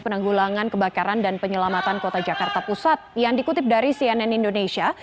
penanggulangan kebakaran dan penyelamatan kota jakarta pusat yang dikutip dari cnn indonesia